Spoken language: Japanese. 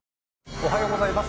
おはようございます